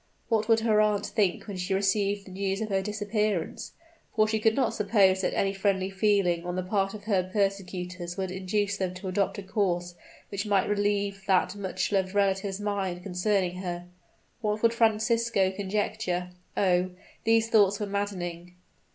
What would her aunt think when she received the news of her disappearance? for she could not suppose that any friendly feeling on the part of her persecutors would induce them to adopt a course which might relieve that much loved relative's mind concerning her. What would Francisco conjecture? Oh! these thoughts were maddening!